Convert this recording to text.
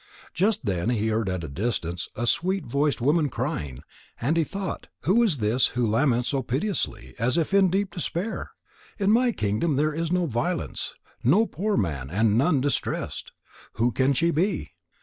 Just then he heard at a distance a sweet voiced woman crying. And he thought: "Who is this who laments so piteously, as if in deep despair? In my kingdom there is no violence, no poor man and none distressed. Who can she be?"